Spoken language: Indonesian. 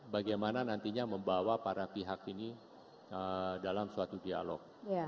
bagaimana nantinya membawa para pihak ini dalam suatu dialog